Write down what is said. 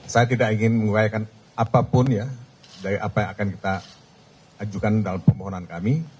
saya tidak ingin menguraikan apapun ya dari apa yang akan kita ajukan dalam permohonan kami